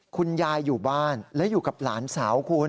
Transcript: คุณยายอยู่บ้านและอยู่กับหลานสาวคุณ